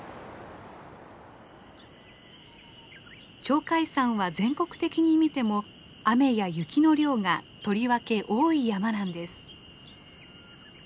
鳥海山は全国的にみても雨や雪の量がとりわけ多い山なんです。